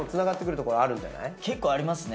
結構ありますね。